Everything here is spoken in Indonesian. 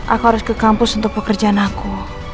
aku harus ke kampus untuk pekerjaan aku